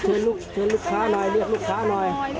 เชิญลูกค้าหน่อยเรียกลูกค้าหน่อย